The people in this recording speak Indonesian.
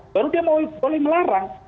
baru dia boleh melarang